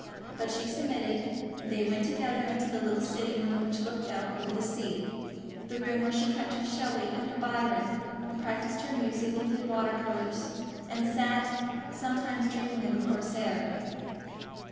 But she submitted, and they went together into the little sitting room which looked out over the sea, the room where she kept her Shelley and her Byron, and practised her music and did water colours, and sat, sometimes, dreaming of a Corsair.